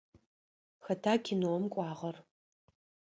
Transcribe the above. Хэта кинэум кӏуагъэр?